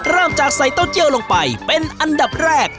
เริ่มจากใส่เต้าเจียวลงไปเป็นอันดับแรก